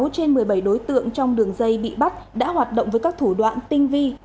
một mươi trên một mươi bảy đối tượng trong đường dây bị bắt đã hoạt động với các thủ đoạn tinh vi